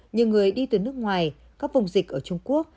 như người đi từ nước ngoài các vùng dịch ở trung quốc